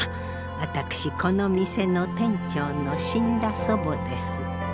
私この店の店長の死んだ祖母です。